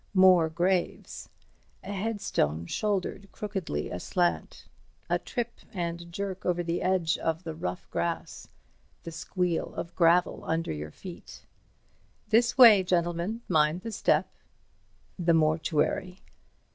More graves. A headstone shouldered crookedly aslant. A trip and jerk over the edge of the rough grass. The squeal of gravel under your feet. "This way, gentlemen, mind the step." The mortuary.